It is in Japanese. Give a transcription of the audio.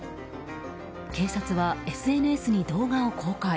警察はＳＮＳに動画を公開。